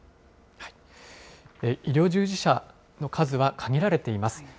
医療従事者の数は限られています。